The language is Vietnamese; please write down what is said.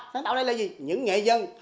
sáng tạo đây là gì những nghệ dân